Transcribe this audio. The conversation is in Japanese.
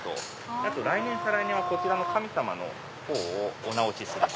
あと来年再来年はこちらの神様のほうをお直しする。